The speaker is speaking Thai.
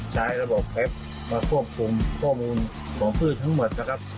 ระบบเทปมาควบคุมข้อมูลของพืชทั้งหมดนะครับ